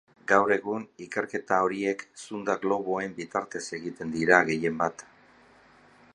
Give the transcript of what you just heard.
Gaur egun, ikerketa horiek zunda-globoen bitartez egiten dira gehienbat.